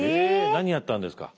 何やったんですか？